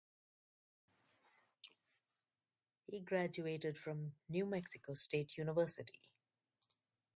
He graduated from New Mexico State University.